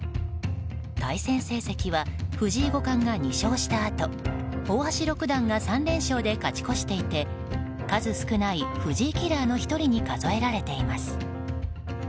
対戦成績は藤井五冠が２勝したあと大橋六段が３連勝で勝ち越していて数少ない藤井キラーの１人に数えられています。